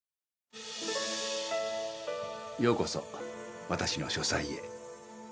ようこそ私の書斎へ。